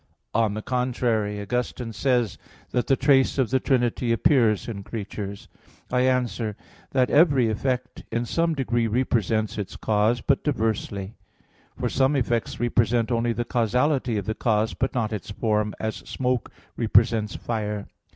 On the contrary, Augustine says (De Trin. vi, 10), that "the trace of the Trinity appears in creatures." I answer that, Every effect in some degree represents its cause, but diversely. For some effects represent only the causality of the cause, but not its form; as smoke represents fire.